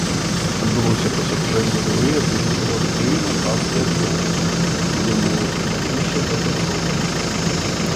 Адбылося паседжанне журы, якое выбрала тры мастацкія аб'екты з умовай іх далейшай дапрацоўкі.